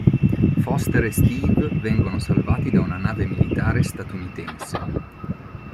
Foster e Steve vengono salvati da una nave militare statunitense.